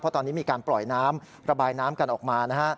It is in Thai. ตอนนี้มีการปล่อยน้ำระบายน้ำกันออกมานะฮะ